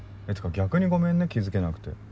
逆にごめんね気付けなくて。